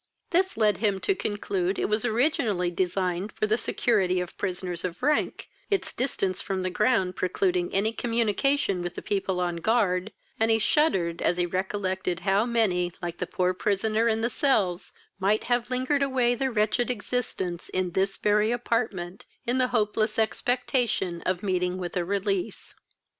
This led him to conclude it was originally designed for the security of prisoners of rank, its distance from the ground precluding any communication with the people on guard; and he shuddered as he recollected how many, like the poor prisoner in the cells, might have lingered away their wretched existence in this very apartment, in the hopeless expectation of meeting with a release.